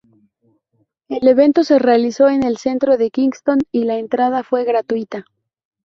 El evento se realizó en el centro de Kingston y la entrada fue gratuita.